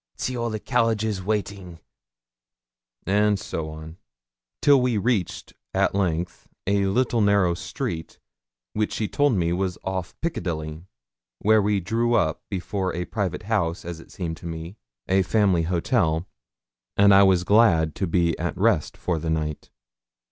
See all the carriages waiting;' and so on, till we reached at length a little narrow street, which she told me was off Piccadilly, where we drew up before a private house, as it seemed to me a family hotel and I was glad to be at rest for the night.